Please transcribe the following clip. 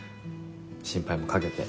心配もかけて。